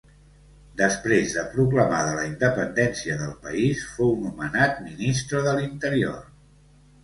Després de proclamada la independència del país fou nomenat ministre de l'interior.